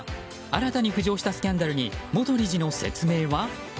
新たに浮上したスキャンダルに元理事の説明は？